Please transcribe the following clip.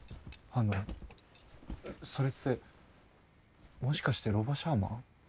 あのそれってもしかしてロボシャーマン？